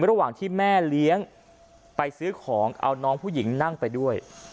ระหว่างที่แม่เลี้ยงไปซื้อของเอาน้องผู้หญิงนั่งไปด้วย